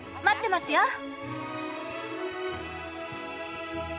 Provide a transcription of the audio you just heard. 待ってますよ。